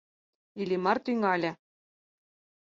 — Иллимар тӱҥале.